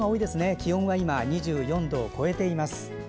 気温は今、２４度を超えています。